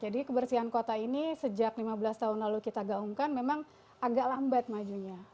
jadi kebersihan kota ini sejak lima belas tahun lalu kita gaungkan memang agak lambat majunya